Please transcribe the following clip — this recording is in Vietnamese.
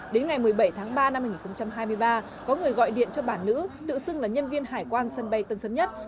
đến ngày một mươi bảy tháng ba năm hai nghìn hai mươi ba có người gọi điện cho bà nữ tự xưng là nhân viên hải quan sân bay tân sớm nhất